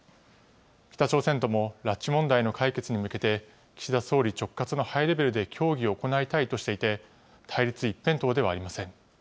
北朝鮮とも拉致問題の解決に向けて、岸田総理直轄のハイレベルで協議を行いたいとしていて、対立一辺倒ではありません。